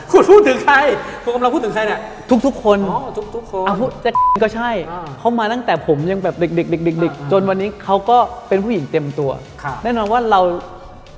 คุณพูดถึงใครคุณพูดถึงใครเนี่ย